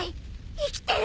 生きてる！